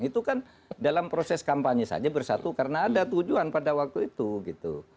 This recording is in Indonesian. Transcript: itu kan dalam proses kampanye saja bersatu karena ada tujuan pada waktu itu gitu